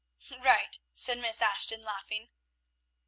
"Right," said Miss Ashton, laughing.